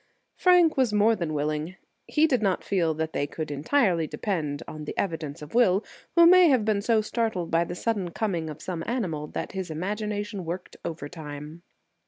Frank was more than willing. He did not feel that they could entirely depend on the evidence of Will, who may have been so startled by the sudden coming of some animal that his imagination worked overtime.